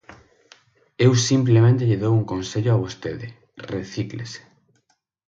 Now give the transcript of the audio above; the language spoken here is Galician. Eu simplemente lle dou un consello a vostede: ¡recíclese!